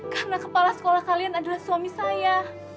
karena kepala sekolah kalian adalah suami saya